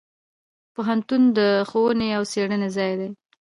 پوهنتون د ښوونې او څیړنې ځای دی.